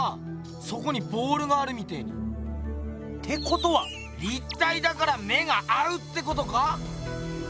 そこにボールがあるみてぇに。ってことは立体だから目が合うってことか？